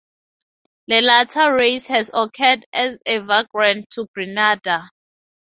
The latter race has occurred as a vagrant to Grenada.